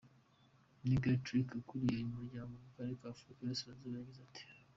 Nigel Tricks, ukuriye uyu muryango mu karere k'Afurika y'iburasirazuba, yagize ati:.